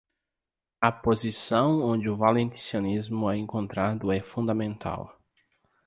A posição onde o valencianismo é encontrado é fundamental.